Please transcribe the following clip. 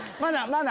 ⁉まだ！